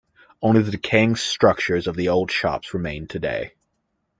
Only the decaying structures of the old shops remain today.